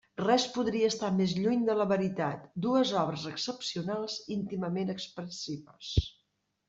Res podria estar més lluny de la veritat; dues obres excepcionals íntimament expressives.